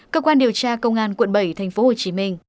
cơ quan điều tra công an quận bảy tp hcm